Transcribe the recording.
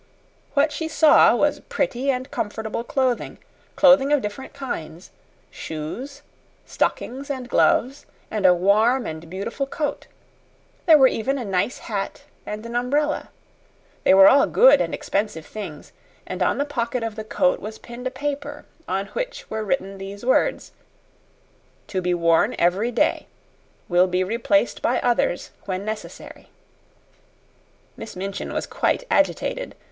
What she saw was pretty and comfortable clothing clothing of different kinds: shoes, stockings, and gloves, and a warm and beautiful coat. There were even a nice hat and an umbrella. They were all good and expensive things, and on the pocket of the coat was pinned a paper, on which were written these words: "To be worn every day. Will be replaced by others when necessary." Miss Minchin was quite agitated.